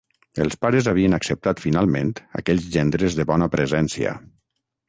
Els pares havien acceptat finalment aquells gendres de bona presència.